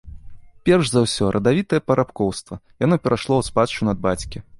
Перш за ўсё, радавітае парабкоўства, яно перайшло ў спадчыну ад бацькі.